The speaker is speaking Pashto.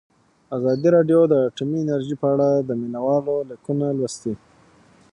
ازادي راډیو د اټومي انرژي په اړه د مینه والو لیکونه لوستي.